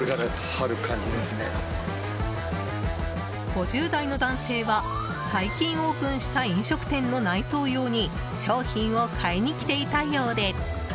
５０代の男性は最近オープンした飲食店の内装用に商品を買いに来ていたようで。